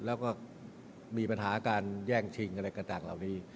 แล้วก็มีปัญหาการแย่งสิ่งอะไรก็ได้ขนาดเหล่านี้